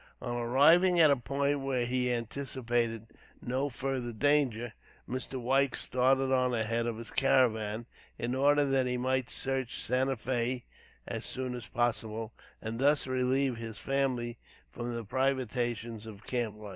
On arriving at a point where he anticipated no further danger, Mr. White started on ahead of his caravan, in order that he might reach Santa Fé as soon as possible, and thus relieve his family from the privations of camp life.